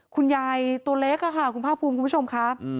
คุณยายตัวเล็กค่ะคุณภาพภูมิคุณผู้ชมครับ